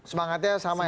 semangatnya sama ya